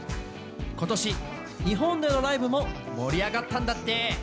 今年日本でのライブも盛り上がったんだって。